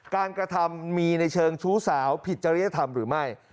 กระทำมีในเชิงชู้สาวผิดจริยธรรมหรือไม่